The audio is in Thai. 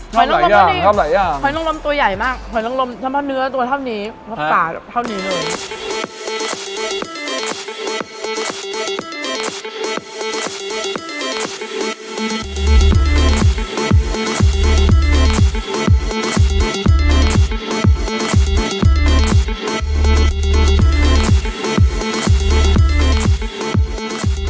ชอบหลายอย่างหอยนังรมตัวใหญ่มากหอยนังรมเท่านั้นเนื้อเท่านี้สระเท่านี้เลย